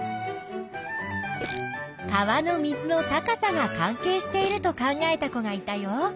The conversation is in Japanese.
川の水の高さが関係していると考えた子がいたよ。